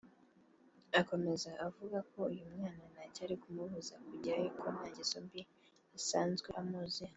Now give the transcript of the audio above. Akomeza avuga ko uyu mwana nta cyari kumubuza kujyayo kuko nta ngeso mbi asanzwe amuziho